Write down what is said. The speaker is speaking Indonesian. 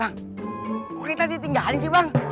bang kok kita ditinggalin sih bang